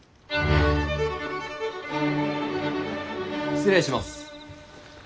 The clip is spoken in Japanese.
・失礼します。